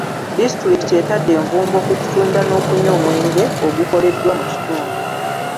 Disitulikiti etadde envumbo ku kutunda n'okunywa omwenge ogukoleddwa mu kitundu.